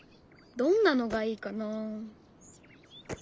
どんなのがいいかな？